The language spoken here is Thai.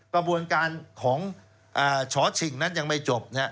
กระบวนการของช้อชิงนั้นยังไม่จบ